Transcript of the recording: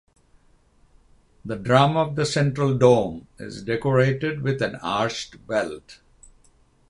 The drum of the central dome is decorated with an arched belt.